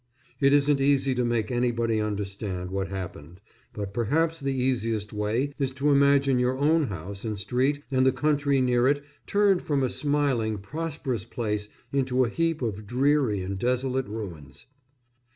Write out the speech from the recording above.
It isn't easy to make anybody understand what happened; but perhaps the easiest way is to imagine your own house and street and the country near it turned from a smiling, prosperous place into a heap of dreary and desolate ruins.